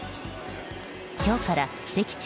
今日から敵地